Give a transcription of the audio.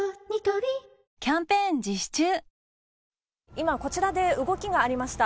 今、こちらで動きがありました。